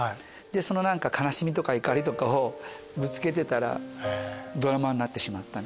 その悲しみとか怒りとかをぶつけてたらドラマーになってしまった！